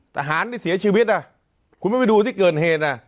ทหารที่เสียชีวิตอ่ะคุณไม่ไปดูที่เกิดเหตุอ่ะ